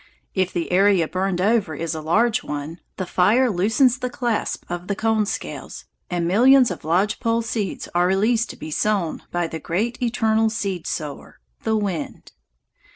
If the area burned over is a large one, the fire loosens the clasp of the cone scales and millions of lodge pole seeds are released to be sown by the great eternal seed sower, the wind.